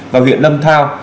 và huyện lâm thao